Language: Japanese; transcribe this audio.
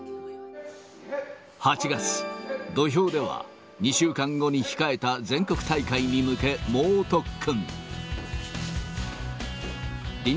８月、土俵では、２週間後に控えた全国大会に向け、猛特訓。